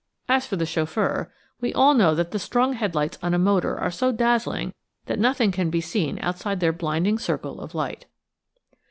As for the chauffeur: we all know that the strong headlights on a motor are so dazzling that nothing can be seen outside their blinding circle of light.